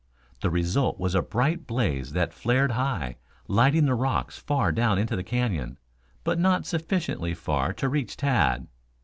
The result was a bright blaze that flared high, lighting the rocks far down into the canyon, but not sufficiently far to reach Tad.